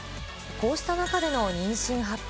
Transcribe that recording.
こうした中での妊娠発表。